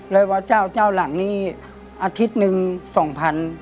เลยว่าเจ้าหลังนี่อาทิตย์หนึ่ง๒๐๐๐บาท